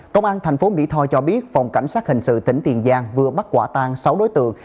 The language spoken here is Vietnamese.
công an thành phố mỹ tho cho biết phòng cảnh sát hình sự tỉnh tiền giang vừa bắt quả tang sáu đối tượng